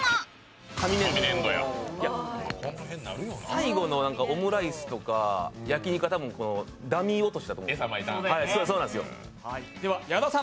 最後のオムライスとか焼肉は多分、ダミー落としだと思うんですよ。